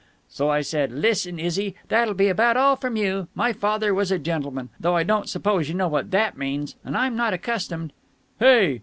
"... So I said 'Listen, Izzy, that'll be about all from you! My father was a gentleman, though I don't suppose you know what that means, and I'm not accustomed....'" "Hey!"